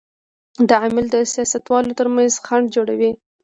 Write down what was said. دا عامل د سیاستوالو تر منځ خنډ جوړوي.